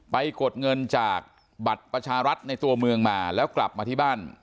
กดเงินจากบัตรประชารัฐในตัวเมืองมาแล้วกลับมาที่บ้าน